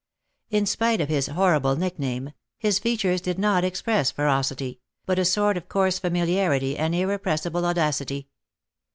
In spite of his horrible nickname, his features did not express ferocity, but a sort of coarse familiarity and irrepressible audacity.